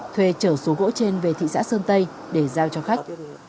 thuê chở số gỗ trên về thị xã sơn tây để giao cho khách